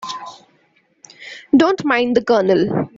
Don't mind the Colonel.